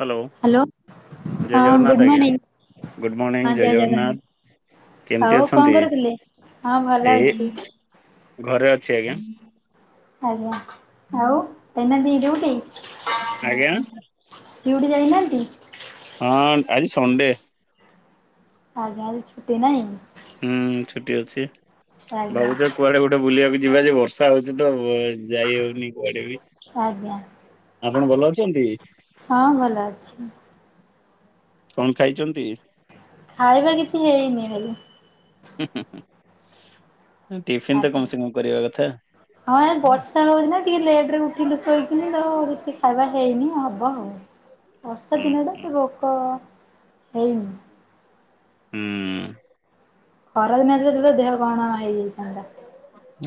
Hello hello ହଁ ଜୟ good Jagannath ଆଜ୍ଞା। ମର୍ଣ୍ଣିଂ ଗୁଡ଼ ମୋର୍ନିଙ୍ଗଂ ଜୟ ଜଗନ୍ନାଥ। କେମିତି ଆଉ କଣ ଅଛନ୍ତି? କରୁଥିଲେ? ହଁ ଭଲ ଏଇ ଅଛି ଘରେ ଅଛି ଆଜ୍ଞା। ଆଜ୍ଞା ଆଉ ଯାଇ ନାହାନ୍ତି ଡ୍ୟୁଟି? ଆଜ୍ଞା। ଡ୍ୟୁଟି ଯାଇନାହାନ୍ତି? ହଁ ଆଜି ସଣ୍ଡେ। ଆଉ ତାହେଲେ ଛୁଟି ନାହିଁ? ହୁଁ ଛୁଟି ଅଛି। ଆଜ୍ଞା ଭାବୁଛ କୁଆଡେ ଗୋଟେ ବୁଲିବାକୁ ଯିବା ଯେ ବର୍ଷା ହଉଛି ତ ଯାଇ ହଉନି କୁଆଡେ ବି। ଆଜ୍ଞା। ଆପଣ ଭଲ ଅଛନ୍ତି ହଁ ଭଲ ଅଛି। କଣ ଖାଇଛନ୍ତି? ଖାଇବା କିଛି ହେଇନି ବେଲେ ଟିଫିନ ତ ଆଜ୍ଞା। କମ ସେ କମ କରିବା କଥା? ହଁ ଏ ବର୍ଷା ହଉଛି ନା ଟିକେ ଲେଟ ରେ ଉଠିଲୁ ଶୋଇକିନି ତ କିଛି ଖାଇବା ହେଇନି ହବ ଆଉ। ବର୍ଷା ହୁଁ ଦିନ ଟା ହୁଁ ତ ରୋକ ହେଇନି। ଉଁ। ଖରା ଦିନରେ ଦେହ କଣ ହେଇଯାଇଥାନ୍ତା।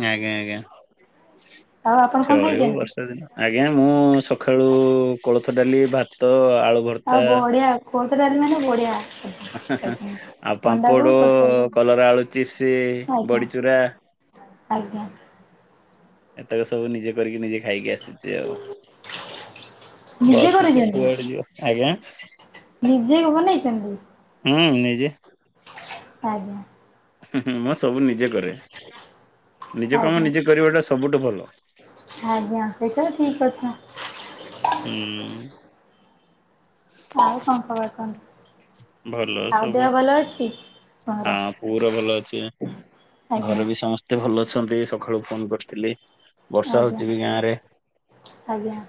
ଆଜ୍ଞା ଆଜ୍ଞା। ଆଉ ଆପଣ କଣ ଚଳିବ ଖାଇଛନ୍ତି? ବର୍ଷା ଦିନ। ଆଜ୍ଞା ମୁଁ ସକାଳୁ କୋଳଥ ଡାଲି, ଭାତ ଆଳୁ, ଆଉ ଭର୍ତ୍ତା ବଢିଆ କୋଳଥ ଡାଲି ମାନେ ବଢିଆ। କରିଛନ୍ତି। ଆଉ ଅଣ୍ଡାକୁ ପାମ୍ପଡ, କୋଳଥ ଡାଲି କଲରା ଆଳୁ ଚିପ୍ସ, ଟା ଆଜ୍ଞା ବଡିଚୁରା ଆଜ୍ଞା। ଏତକ ସବୁ ନିଜେ କରିକି ନିଜେ ଖାଇକି ଆସିଚି ଆଉ। ନିଜେ ବସିଚି କରିଛନ୍ତି କୁଆଡେ ଯିବ, ଆଜ୍ଞା। ନିଜେ ବନେଇଛନ୍ତି ହୁଁ ନିଜେ। ଆଜ୍ଞା। ହୁଁ ହୁଁ ମୁଁ ସବୁ ନିଜେ କରେ। ନିଜ କାମ ନିଜେ କରିବା ଟା ସବୁଠୁ ଭଲ। ଆଆଜ୍ଞା ସେଇଟା ତ ଠିକ୍ କଥା। ଉଁ। ଆଉ କଣ ଖବର କଣ? ଭଲ ଆଉ ସବୁ। ଦେହ ଭଲ ଅଛି? ତମର ହଁ ପୁରା ଭଲ ଅଛି। ଆଜ୍ଞା ଘରେ ବି ସମସ୍ତେ ଭଲ ଅଛନ୍ତି ସକାଳୁ ଫୋନ କରିଥିଲି। ବର୍ଷା ଆଜ୍ଞା ହଉଚି ବି ଗାଁରେ। ଆଜ୍ଞା।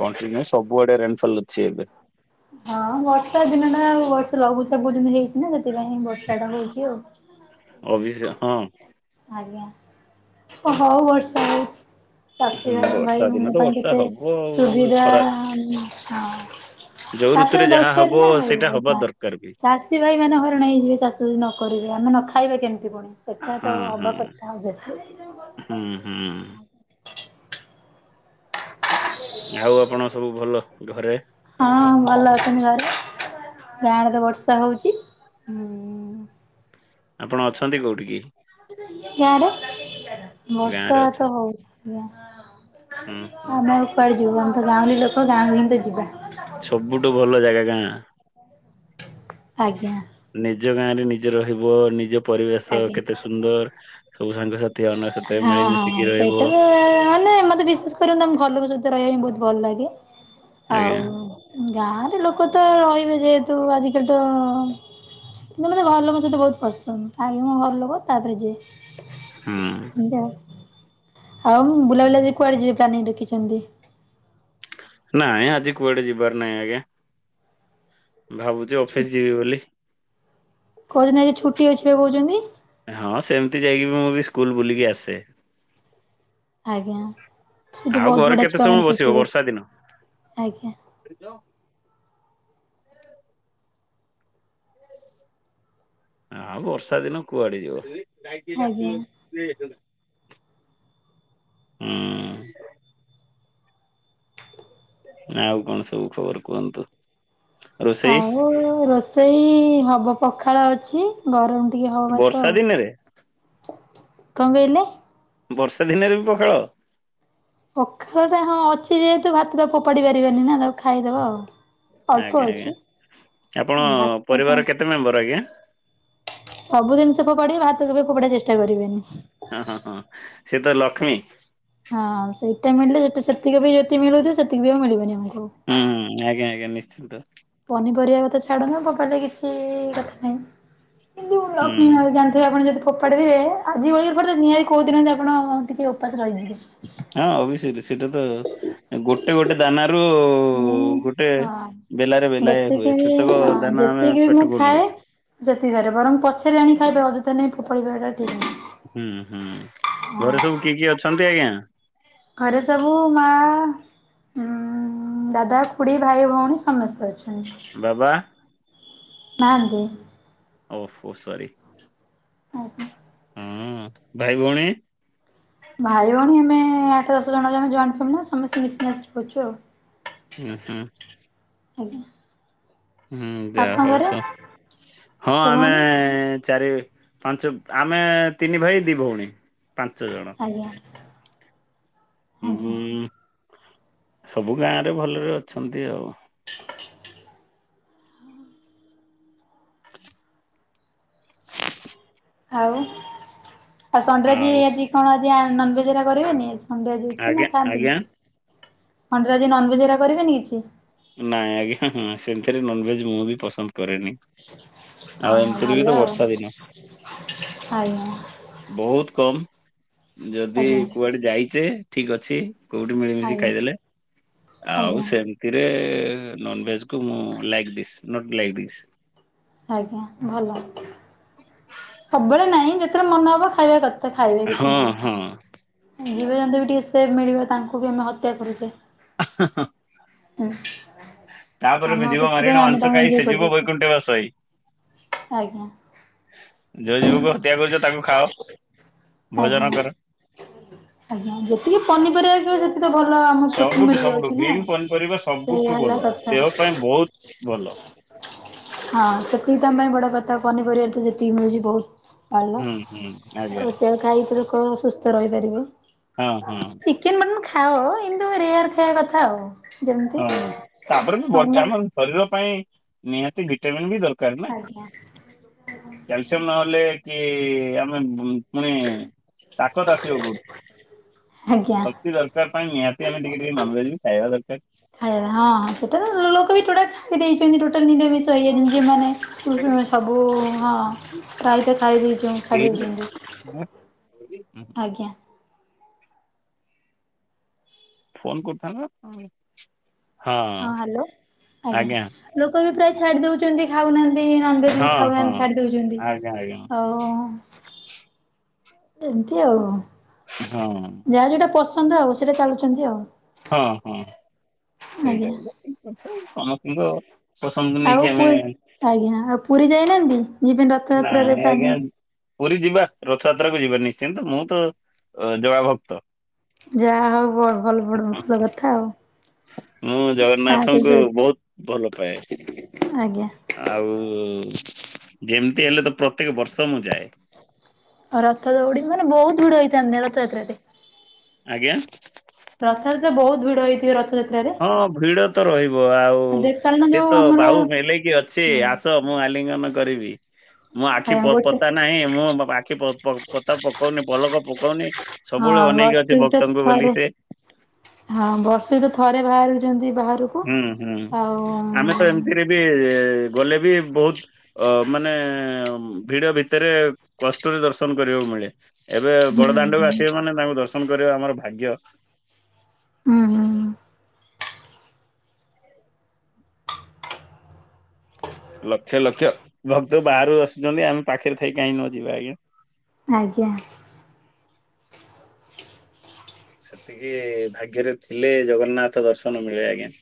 କଣ୍ଟିନିଉ ସବୁଆଡେ ରେନଫଲ୍ ଅଛି ଏବେ। ହଁ ବର୍ଷା ଦିନ ଟା ଆଉ। ଏ ବର୍ଷ ଲଘୁଚାପ ଯେମିତି ହେଇଛି ନା ସେଥିପାଇଁ ହିଁ ବର୍ଷା ଟା ହଉଛି ଆଉ। ଅଫିସରେ ହଁ। ଆଜ୍ଞା। ଓ ହଉ ବର୍ଷା ହଉଚି। ଚାଷୀ ହୁଁ ଭାଇ ବର୍ଷା ମାନେ ଦିନ ଆମ ତ ପାଇଁ ବର୍ଷା କେତେ ହବ ଆଉ ସୁବିଧା ଖରା ଯୋଉ ଋତୁରେ ଚାଷ ତ ଯାହା ହବ ଦରକାର ନା। ସେଇଟା ହବା ଦରକାର [unintelligible] ବି। ଚାଷୀ ଭାଇ ମାନେ ହଇରାଣ ହେଇଯିବେ ଚାଷ ଯଦି ନ କରିବେ ଆମେ ନ ଖାଇବା କେମିତି ପୁଣି। ସେଇଟା ତ ହଁ ହଁ ହବା କଥା ଅବିଓସଲି। ହୁଁ ହୁଁ। ଆଉ ଆପଣ ଙ୍କର ସବୁ ଭଲ ଘରେ? ହଁ ଭଲ ଅଛନ୍ତି ଘରେ। ଗାଁରେ ତ ବର୍ଷା ହଉଚି। ହୁଁ। ଆପଣ ଅଛନ୍ତି କୋଉଠିି କି? ଗାଁ ରେ ଗାଁ ବର୍ଷା ରେ ତ ଅଛନ୍ତି? ହଉଚି। ଆଜ୍ଞା। ହୁଁ ହୁଁ ଆମେ ଆଉ କୁଆଡେ ଯିବୁ ଆମେ ତ ଗାଁଉଲି ଲୋକ ଗାଁ କୁ ହିଁ ତ ଯିବା। ସବୁଠୁ ଭଲ ଜାଗା ଗାଁ। ଆଜ୍ଞା। ନିଜ ଗାଁ ରେ ନିଜେ ରହିବ। ନିଜ ପରିବେଶ ଆଜ୍ଞା। କେତେ ସୁନ୍ଦର। ସବୁ ସାଙ୍ଗସାଥି ଅନାସତେ ମିଳି ମିଶିକି [unintelligible] ଆମ ଘର ଲୋକ ଙ୍କ ରହିବ। ସହିତ ରହିବା ପାଇଁ ବହୁତ ଭଲ ଲାଗେ। ଆଉ ଆଜ୍ଞା ଗାଁରେ ଲୋକ ତ ରହିବେ ଯେହେତୁ ଆଜିକାଲି ତ କିନ୍ତୁ ମୋତେ ଘର ଲୋକଙ୍କ ସହିତ ବହୁତ ପସନ୍ଦ। ଆଗେ ମୋ ଘର ଲୋକ ତାପରେ ଯିଏ। ହୁଁ। ଆଉ ବୁଲାବୁଲିି କୁଆଡେ ଯିବେ ପ୍ଲାନିଂ ରଖିଛନ୍ତି? ନାଇଁ ଆଜି କୁଆଡେ ଯିବାର ନାହିଁ ଆଜ୍ଞା। ଭାବୁଚି ଅଫିସ ଯିବି ଛୁଟି ବୋଲି। କହୁଛନ୍ତି ଆଜି ଛୁଟି ଅଛି ପା କହୁଛନ୍ତି। ହଁ ସେମିତି ଯାଇକି ବି ମୁଁ ବି ସ୍କୁଲ ବୁଲିକି ଆସେ। ଆଜ୍ଞା। ସେଠି ଆଉ ବହୁତ ଘରେ ବଢିଆ କେତେ ଛୁଆ ସମୟ ମାନେ ସବୁ ବସିବ ଥିବେ। ବର୍ଷା ଦିନ। ଆଜ୍ଞା। [unintelligible] ଆ ବର୍ଷା ଦିନ କୁଆଡେ ଯିବ। ଆଜ୍ଞା। ଉଁ। ଆଉ କଣ ସବୁ ଖବର କୁହନ୍ତୁ। ରୋଷେଇ ଆଉ ରୋଷେଇ ହବ ପଖାଳ ଅଛି ଗରମ ଟିକେ ହବା ତ ବର୍ଷା ଆଉ ଦିନରେ କଣ କହିଲେ ବର୍ଷା ଦିନରେ ବି ପଖାଳ ପଖାଳ ଟା ହଁ ଅଛି ଯେହେତୁ ଭାତ ତ ପୋା ପାରିବାନି ନା ତାକୁ ଖାଇଦବା ଆଉ ଅଳ୍ପ ଆଜ୍ଞା ଅଛି ଆଜ୍ଞା ଆପଣ ଭାତଟା ପରିବାରର କେତେ ମେମ୍ବର ଆଜ୍ଞା। ସବୁ ଜିନିଷ ପୋଡ ଭାତକୁ କେବେ ଫୋଡା ଚେଷ୍ଟା କରିବେନି। ହଁ ହଁ ହଁ ସେ ତ ଲକ୍ଷ୍ମୀ। ହଁ ସେଇଟା ମିଳିଲେ ସେତିକି ବି ଯଦତି ମିଳୁଥିବ ସେତିକି ବି ଆ ମିଳିବନି ଆମକୁ ହୁଁ ଆଜ୍ଞା ଆଜ୍ଞା ନିଶ୍ଚିନ୍ତ। ପନିପରିବା କଥା ଛାଡନୁ ବାପ କିଛି କଥା ନାହିଁ କିନ୍ତୁ ହୁଁ ଲକ୍ଷ୍ମୀ ବା ଜାଣି [inaudible] ଯଦି ଆପଣ ଯଦି ଫୋପାଡ଼ିଥେ ଆଜି ଭଳିରେ ନିହାତି କହୁ ଦହାନ୍ତି ଆପଣ ଟିକେ ଉପାସ ରହିଯିବେ। ହଁ ଅବଶ ସେଇଟା ତ ଗୋଟେ ଗୋଟେ ଦାନାରୁ ମୁଁ ଗୋଟେ ବେଲାରେ ହଁ ବେଲାଏ ହୁଏ ଯେତିକି ବି ସେତକ ହଁ ଦାନା ଆମେ ଯେତିକି ବି ମୁଁ ପେଟକୁ ନଉ ଖାଏ ଯେତିକରେ ବରଂ ପଛରେ ଆଣି ଖାଇବେ ଅଯଥା ନେଇ ଫୋପାଡିବେ ଠିକ ନାହିଁ। ହୁଁ ହୁଁ ଘରେ ସବୁ କିଏ କିଏ ଅଛନ୍ତି ଆଜ୍ଞା? ଘରେ ସବୁ ମା ଦାଦା ଖୁଡ଼ି ଭାଇ ଭଉଣୀ ସମସ୍ତେ ଅଛନ୍ତି। ବାବା। ନାହାନ୍ତି। ଓ ହୋ ସରି। ଓ ହୋ। ହଁ ଭାଇ ଭଉଣୀ? ଭାଇ ଭଉଣୀ ଆମେ ଆଠ ଦଶ ଜଣ ଯମେ ଜଏଣ୍ଟ ଫମିଲ ସମସ୍ତେ ମିଶିସି କହୁଛୁ ଆଉ। ହୁଁ ହୁଁ। ଆଜ୍ଞା। ହୁଁ ଯାହା ଆପଣଙ୍କ ଘରେ ହଉଛ ହଁ ଭାଇ ଆମେ ଭଉଣୀ ଚାରି ପାଞ୍ଚ ଆମେ ତିନି ଭାଇ ଦି ଭଉଣୀ ପାଞ୍ଚ ଜଣ। ଆଜ୍ଞା। ଆଜ୍ଞା। ହୁଁ। ସବୁ ଗାଁରେ ଭଲରେ ଅଛନ୍ତି ଆଉ। [inaudible] ଆଉ ଆଉ ସଣ୍ଡାଜି ଆଉ ଆଜି କଣ ଆଜି ନନଭେଜ କରିବେନି ଆଜି ଣ୍ଡିଆ ଯଉଛି ନା ଆଜ୍ଞା ଖାଆନ୍ତିନି ଆଜ୍ଞା। ଖଣ୍ଡି ଆଜି ନନ ଭଜା କରିବେନି କିଛି ନାଇଁ ଆଜ୍ଞା ହଁ ସେମଥିରେ ନନଭେଜ ମୁଁ ବି ପସନ୍ଦ କରେନି। ଆଉ ହଁ ଏମିତିରେ ବି ଭଲ ତ ଆଉ ବର୍ଷା ଦିନ ଆଜ୍ଞା ବହୁତ କମ ଯଦି ଆଜ୍ଞା କୁଆଡେ ଯାଇଛେ ଠିକ ଅଛି। କୋଉଠି ମିଳିମିଶି ଆଜ୍ଞା ଖାଇଦେଲେ ଆଉ ଆଜ୍ଞା। ସେମ ଥିରେ ନନଭେଜ କୁ ମୁଁ ଲଗ ଦିସ୍ ନଟ ଲଗ ଦିସ୍ ଆଜ୍ଞା ଭଲ। ସବୁବେଳେ ନାଇଁ ଯେତେବେଳେ ମନେ ହବ ଖାଇବା କଥା ଖାଇବେ କିଛି ହଁ ନାହିଁ। ହଁ ଜୀବଜନ୍ତୁ ବି ଟିକେ ସେ ମିଳିବ ତାଙ୍କୁ ବି ଆମେ ହତ୍ୟା କରୁଛେ। ହଁ। ତାପରେ ବି ଯିବ ମାରଣ ମାଂସ ଖାଇ ସେ ଯିବ କରିଦଉଛେ ବୈକୁଣ୍ଠ ବାସେଇ ଆଜ୍ଞା। ଯୋଉ ଯୀବକୁ ହତ୍ୟା କରୁଛ ତାକୁ ଖାଅ ଆଜ୍ଞା। ଭୋଜନ କର ଆଜ୍ଞା ଯେତିକି ପନିପରିବା କି ସେ ତ ଭଲ ଆମ ଚଟି ସବୁଠୁ ମିଳି ସବୁଠୁ ଯାଉଛି ନା ଗ୍ରୀନ୍ ପନିପରିବା ସବୁଠୁ ସେଇୟା ଭଲ ହେଲା କଥା। ଦେହ ପାଇଁ ବହୁତ ଭଲ। ହଁ ସେତିକି ତମ ପାଇଁ ବଡ କଥା ପନିପରିବାାର ତ ଯେତିକି ମିଳୁଛି ବହୁତ। କଣଲ ହୁଁ ହୁଁ ଆଜ୍ଞା ଆଉ ସେଇଆ ଖାଇକି ଲୁକ ସୁସ୍ଥ ରହିପାରିବେ ହଁ ହଁ ଚି ଚିକେନ ମଟନ ଖାଅ କିନ୍ତୁ ରେୟାର ଖାଇବା କଥା ଆଉ। ଯେମିତି ହଁ ତାପରେ ବି ନର୍ମାଲ ଆମର ଶରୀର ପାଇଁ ନିହାତି ଭିଟାମିନ୍ ବି ଦରକାର ନା। ଆଜ୍ଞା କ୍ୟାଲସିୟମ ନହେଲେ କି ଆମେ ପୁଣି ତାକତ ଆସିବ କୋଉଠୁ ଆଜ୍ଞା। ଶକ୍ତି ଦର ଦରକାର ପାଇଁ ନିହାତି ଆମେ ଟିକେ ଟିକେ ନନଭେଜେ ବି ଖାଇବା ଦରକାର। ଆଜ୍ଞା ହଁ ସେଟା ତ ଲୋକ ବି ଟୋଟା୍ଲ ଛାଡ଼ି ଦେଇଛନ୍ତି ଟୋଟାଲ ନିଦ ବିଷ ହେଇଜାଛନ୍ତି ଝେମାନେ। ସବୁ ହଁ ପ୍ରାୟତ ଛାଡ଼ି ଦେଇଚୁ ଛାଡ଼ି ଦେଇଚନ୍ତି। ହ ହଁ [inaudible] ଫୋନ କରୁଥାନ୍ତେ ହଁ ହଁ ହ୍ୟାଲୋ ଆଜ୍ଞା। ଲୋକ ବି ପ୍ରାୟ ଛାଡି ଦଉଛ ଛନ୍ତି ଖାଉନାହାନ୍ତି ନନ ଭେଜ ବି ହଁ ଖାଉନାହାନ୍ତି ହଁ। ଛାଡି ଦଉଛନ୍ତି ଆଜ୍ଞା ଆଜ୍ଞା ଆଉ। ଏମିତି ଆଉ। ହଁ ଅଂ। ଯାହାର ଜଉଟା ପସନ୍ଦ ଆଉ ସେଇଟା ଚାଲୁଛନ୍ତି ଆଉ। ହଁ ହଁ ସେଇ ଆଜ୍ଞା। ଟାଇପ ର କି କଥା ସମସ୍ତିଙ୍କ ଆଉ ପୁ ଆଜ୍ଞା ଆଉ ପୁରୀ ଯାଇନାହାଁନ୍ତି ଜିବି ରଥଯାତ୍ରାରେ ନାଇଁ ଆଜ୍ଞା ପ୍ଲାନିଂ। ପୁରୀ ଯିବା ରଥଯାତ୍ରାକୁ ଯିବା ନିଶ୍ଚିନ୍ତ ମୁଁ ତ ଅ ଜଗା ଭକ୍ତ। ଯାହା ହଉ ବଡ ଭଲ ବଡ ବଡ଼ କଥା ଆଉ। ମୁଁ ସାହସ ଜଗନ୍ନାଥଙ୍କୁ ସହିତ ବହୁତ ଭଲ ପାଏ। ଆଜ୍ଞା। ଆଉ ଯେମିତି ହେଲେ ତ ପ୍ରତ୍ୟେକ ବର୍ଷ ମୁଁ ଯାଏ। ଆଉ ରଥ ଦୌଡି ମାନେ ବହୁତ ଭିଡ଼ ହେଇଥାନ୍ତି ରଥଯାତ୍ରାରେ। ଆଜ୍ଞା? ରଥରେ ତ ବହୁତ ଭିଡ ହେଇଥିବ ରଥଯାତ୍ରାରେ? ହଁ ଭିଡ ତ ରହିବ ଆଉ କାରଣ ସେ ଯୋଉ ତ ଆମର ବାହୁ ମେଲେଇକି ଅଛି ଆସ ମୁଁ ଆଲିଙ୍ଗନ କରିବି। ମୋ ଆଖି ଆଜ୍ଞା ପ ଗୋଟେ ପତା ନାହିଁ ମୁଁ ଆଖି ପ ପ ପତା ପକଉନି ପଲକ ପକଉନି। ସବୁବେଳେ ହଁ ଅନେଇକି ଅଛି ବର୍ଷକୁ ତ ଵକ୍ତଙ୍କୁ ବୋଲି ଥରେ ସେ? ହଁ ବର୍ଷେ ତ ଥରେ ବାହାରୁିଛନ୍ତି ବାହାରୁ ହୁଁ ହୁଁ ଆମେ ତ ଏମିତିରେ ବି ଗଲେ ବି ବହୁତ ଅ ମାନେ ଭିଡ ଭିତରେ କଷ୍ଟରେ ଦର୍ଶନ କରିବାକୁ ମିଳେ। ଏବେ ହୁଁ ବଡଦାଣ୍ଡକୁ ଆସିବେ ମାନେ ତାଙ୍କୁ ଦର୍ଶନ କରିବା ଆମର ଭାଗ୍ୟ? ଉ ହୁଁ? ଲକ୍ଷ ଲକ୍ଷ ଭକ୍ତ ବାହାରୁ ଆସୁଛନ୍ତି ଆମେ ପାଖରେ ଥାଇ କାହିଁ ନ ଯିବା ଆଜ୍ଞା? ଆଜ୍ଞା? ସେତିକି ଭାଗ୍ୟରେ ଥିଲେ ଜଗନ୍ନାଥ ଦର୍ଶନ ମିଳେ ଆଜ୍ଞା।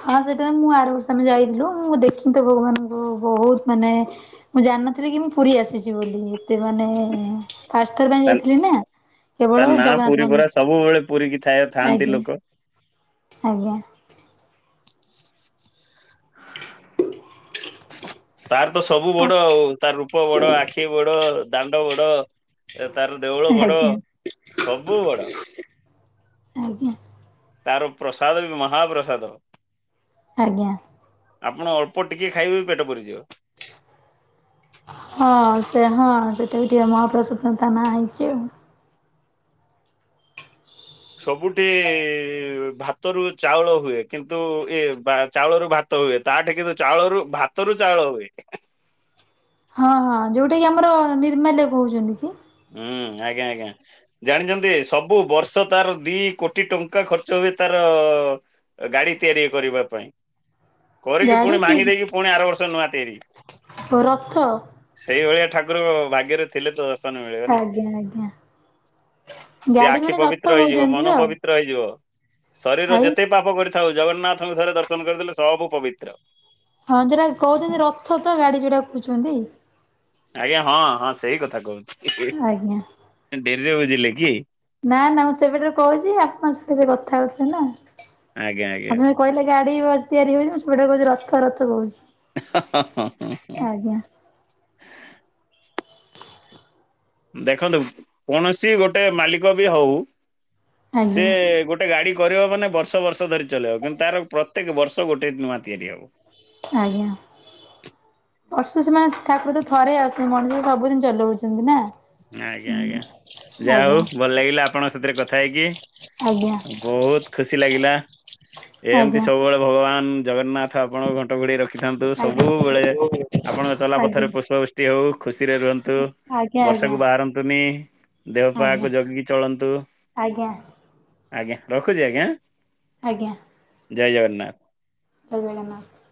ହଁ ସେଇଟା ତ ମୁଁ ଆରବର୍ଷ ଆମେ ଯାଇଥିଲୁ ମୁଁ ଦେଖିନି ତ ଭଗବାନଙ୍କୁ ବହୁତ ମାନେ ମୁଁ ଜାଣିନଥିଲି କି ମୁଁ ପୁରୀ ଆସିଛି ବୋଲି ଏତେ ମାନେ ପାଷ୍ଟ ଥର ପାଇଁ ଯାଇଥିଲି ନା। କେବଳ ତାର ନାଁ ଜଗନ୍ନାଥ ପୁରୀ ପରା ମନ୍ଦିର ସବୁବେଳେ ପୁରୀ କି ଥାଏ ଥାଆନ୍ତି ଆଜ୍ଞା ଲୋକ। ଆଜ୍ଞା। ତାର ତ ସବୁ ବଡ ଆଉ ତାର ରୂପ ବଡ ଆଖି ବଡ ଦାଣ୍ଡ ବଡ। ଏ ତାର ଦେଉଳ ବଡ ଆଜ୍ଞା। ସବୁ ବଡ। ଆଜ୍ଞା। ତାର ପ୍ରସାଦ ବି ମହାପ୍ରସାଦ। ଆଜ୍ଞା? ଆପଣ ଅଳ୍ପ ଟିକେ ଖାଇବେ ବି ପେଟ ପୁରିଯିବ। ହଁ ସେ ହଁ ସେଟା ବି ଟିକେ ମହାପ୍ରସାଦ ବୋଲି ତାନାଁ ହେଇଛି ଆଉ। ସବୁଠି ଇ ଭାତରୁ ଚାଉଳ ହୁଏ କିନ୍ତୁ ଏ ଚାଉଳ ରୁ ଭା ତ ହୁଏ ତାଠେ କିନ୍ତୁ ଚାଉଳରୁ ଭାତରୁ ଚାଉଳ ହୁଏ। ହଁ ହଁ ଯୋଉଟା କି ଆମର ନିର୍ମାଲେ କହୁଛନ୍ତି କି? ହୁଁ ଆଜ୍ଞା ଆଜ୍ଞା। ଜାଣିଛନ୍ତି ସବୁ ବର୍ଷ ତାର ଦି କୋଟି ଟଙ୍କା ଖର୍ଚ୍ଚ ହୁଏ ତାର ଗାଡି ତିଆରି କରିବା ପାଇଁ। କରିକି ଗାଡି ପୁଣି କି ଭାଙ୍ଗି ଦେଇକି ପୁଣି ଆର ବର୍ଷ ନୂଆ ତିଆରି। ଓ ରଥ ସେଇଭଳିଆ ଠାକୁର ଭାଗ୍ୟରେ ଥିଲେ ତ ମିଳିବେ ନା ଆଜ୍ଞା ଆଜ୍ଞା। ସେ ଗାଡି ଆଖି ମାନେ ରଥ ପବିତ୍ର ହେଇଯିବ କହୁଛନ୍ତି ମନ ତ ପବିତ୍ର ପବିତ୍ର ହେଇଯିବ ଶରୀର ଭାଇ। ଯେତେ ପାପ କରିଥାଉ ଜଗନ୍ନାଥଙ୍କୁ ଥରେ ଦର୍ଶନ କରିଦେଲେ ସବୁ ପବିତ୍ର। ହଁ ଜୋଉରା କହୁଛନ୍ତି ରଥ ତ ଗାଡି ଯୋଟା କହୁଛନ୍ତି? ଆଜ୍ଞା ହଁ ହଁ ସେଇ କଥା କହୁଛି ଆଜ୍ଞା। ଡେରିରେ ବୁଝିଲେ କି? ନା ନା ମୁଁ ସେବେଠାରୁ କହୁଛି ଆପଣଙ୍କ ସାଥିରେ କଥାହଉ ଥିଲେନା। ଆଜ୍ଞା ଆଜ୍ଞା। କହିଲେ ଗାଡି ତିଆରି ହଉଛି ମୁ ସେବେଠାରୁ କହୁଛି ରଥ ରଥ କହୁଛି। ହ ହଁ ହଁ। ହଁ ହଁ। ଆଜ୍ଞା। ଦେଖନ୍ତୁ କୌଣସି ଗୋଟେ ମାଲିକ ବି ହଉ ସେ ଆଜ୍ଞା ଗୋଟେ ଗୋଟେ ଗାଡି କରିବ ମାନେ ବର୍ଷ ବର୍ଷ ଧରି ଚେଇବ କିନ୍ତୁ ତାର ପ୍ରତ୍ୟେକ ବର୍ଷ ଗୋଟେ ନୂଆ ତିଆରି ହବ। ଆଜ୍ଞା ବର୍ଷୁ ସେ ମା ଠାକୁର ତ ଥରେ ଆସୁଛି ମଣିଷ ସବୁଦିନ ଚଲାଉଛନ୍ତି ନା। ଆଜ୍ଞା ହୁଁ ଆଜ୍ଞା ଯା ଆଜ୍ଞା ହଉ ଭଲ ଲାଗିଲା ଆପଣଙ୍କ ସାଥିରେ କଥା ଆଜ୍ଞା ହେଇକି। ବହୁତ ଖୁସି ଲାଗିଲା ଏମିତି ଆଜ୍ଞା ସବୁବେଳେ ଭଗବାନ ଜଗନ୍ନାଥ ଆପଣଙ୍କ ଘଟ ଘଣ୍ଟ ଗୋଡେଇ ରଖିଥାନ୍ତୁ ଆଜ୍ଞା ସବୁବେଳେ ଆପଣଙ୍କ ଚଲା ଆଜ୍ଞା। ପଥରେ ଆଜ୍ଞା ପୁଷ୍ପବୃଷ୍ଟି ହଉ ଖୁସିରେ ରୁହନ୍ତୁ। ଆଜ୍ଞା ଆଜ୍ଞା ବର୍ଷାକୁ ବାହାରନ୍ତୁନି ଦେହ ପାକୁ ଜଗିକି ଚଳନ୍ତୁ? ଆଜ୍ଞା ଆଜ୍ଞା ରଖୁଛି ଆଜ୍ଞା। ଆଜ୍ଞା। ଜୟ ଜଗନ୍ନାଥ। ଜୟ ଜଗନ୍ନାଥ।